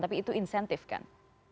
tapi itu insentif kan